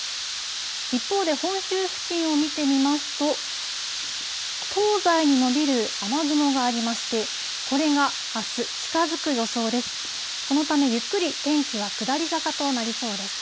一方で本州付近を見てみますと、東西に延びる雨雲がありまして、これがあす、近づく予想です。